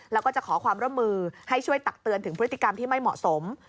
แล้วก็จะขอความร่วมมือให้ช่วยตักเตือนถึงพฤติกรรมที่ไม่เหมาะสม